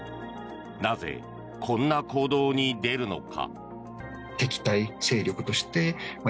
なぜこんな行動に出るのか。